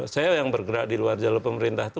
saya yang bergerak di luar jalur pemerintah itu